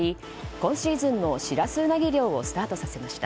今シーズンのシラスウナギ漁をスタートさせました。